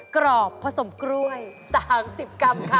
กรอบผสมกล้วย๓๐กรัมค่ะ